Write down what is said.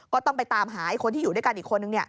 ก็ต้องไปตามหาไอ้คนที่อยู่ด้วยกันอีกคนนึง